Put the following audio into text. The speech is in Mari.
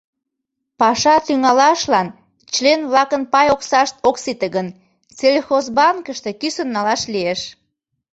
Паша тӱҥалашлан член-влакын пай оксашт ок сите гын, сельхозбанкыште кӱсын налаш лиеш.